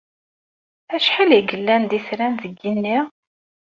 Acḥal ay yellan d itran deg yigenni?